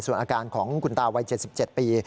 ส่วนอาการของคุณตาวัย๗๗ปี